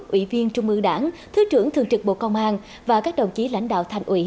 ủy viên trung ương đảng thứ trưởng thường trực bộ công an và các đồng chí lãnh đạo thành ủy